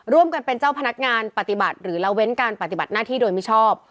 ร่วมกันเป็นเจ้าพนักงานปฏิบัติหรือละเว้นการปฏิบัติหน้าที่โดยมิชอบ